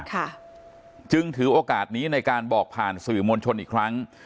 ค่ะจึงถือโอกาสนี้ในการบอกผ่านสื่อมวลชนอีกครั้ง